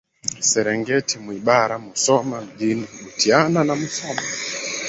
Serengeti Mwibara Musoma Mjini Butiama na Musoma